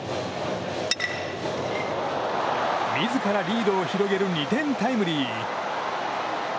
自らリードを広げる２点タイムリー。